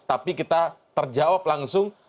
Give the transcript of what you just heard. tapi kita terjawab langsung